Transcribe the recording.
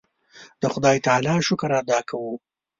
د خدای تعالی شکر ادا کوو.